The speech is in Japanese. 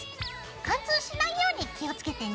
貫通しないように気をつけてね。